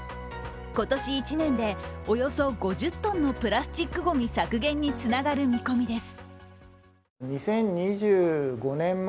今年１年でおよそ５０トンのプラスチックゴミ削減につながる見込みです。